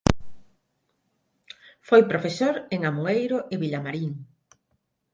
Foi profesor en Amoeiro e Vilamarín.